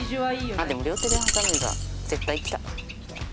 あっでも両手で挟めば絶対きた！